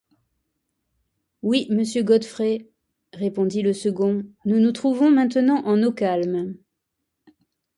Oui, monsieur Godfrey, répondit le second, nous nous trouvons maintenant en eau calme.